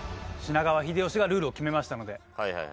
品川秀吉がルールを決めましたので。